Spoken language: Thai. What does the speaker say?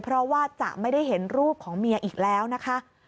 เพราะว่าจะไม่ได้เห็นรูปของเมียอีกแล้วนะคะ